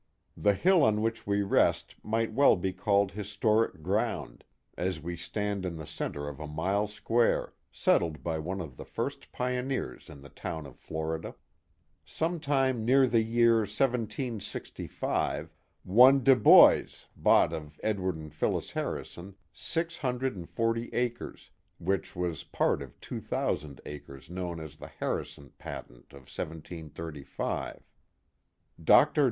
The hill on which we rest might well be called historic ground, as we stand in the centre of a mile square, settled by one of the first pioneers of the town of Florida. Some time near the year 1765, one Deboise bought of Edward and PhilHs Harrison six hundred and forty acres. which was part of two thousand acres known as the Harrison patent of 17,^5. Dr.